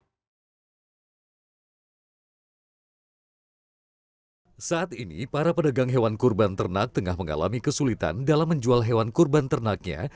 saat ini para pedagang hewan kurban ternak tengah mengalami kesulitan dalam menjual hewan kurban ternaknya